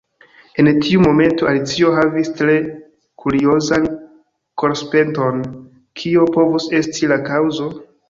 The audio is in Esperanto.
En tiu momento Alicio havis tre kuriozan korpsenton. Kio povus esti la kaŭzo?